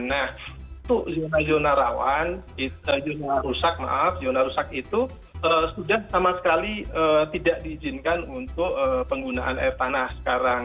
nah zona rusak itu sudah sama sekali tidak diizinkan untuk penggunaan air tanah sekarang